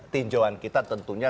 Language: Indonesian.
tinjauan kita tentunya